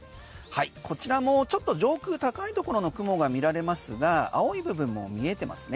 こちらもちょっと上空高いところの雲が見られますが青い部分も見えてますね。